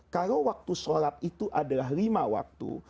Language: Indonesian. kalau waktu sholat itu adalah lima waktu